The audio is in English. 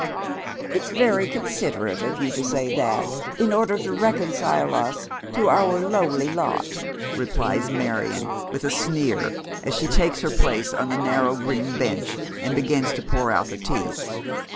" It's very considerate of you to say that, in order to reconcile us to our lowly lot," replies Marion, with a sneer, as she takes her place on the narrow green bench, and begins to pour out the tea.